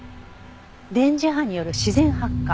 電磁波による自然発火？